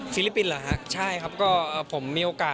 ส่งมาละเดือนหน้า